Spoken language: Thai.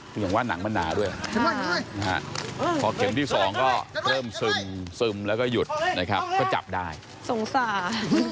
คืออย่างว่าหนังมันหนาด้วยนะฮะพอเข็มที่สองก็เริ่มซึมซึมแล้วก็หยุดนะครับก็จับได้สงสาร